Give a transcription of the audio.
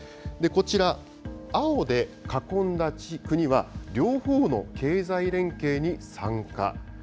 こちら、青で囲んだ国は、両方の経済連携に参加。